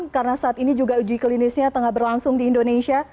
karena saat ini juga uji klinisnya tengah berlangsung di indonesia